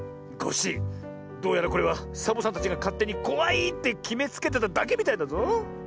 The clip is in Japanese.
コッシーどうやらこれはサボさんたちがかってにこわいってきめつけてただけみたいだぞ。